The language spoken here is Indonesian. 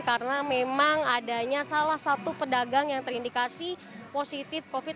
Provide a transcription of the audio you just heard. karena memang adanya salah satu pedagang yang terindikasi positif covid sembilan belas